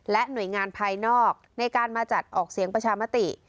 หน่วยงานภายนอกในการมาจัดออกเสียงประชามติ